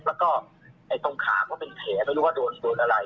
แล้วก็ตรงขาก็เป็นแผลไม่รู้ว่าโดนโดนอะไร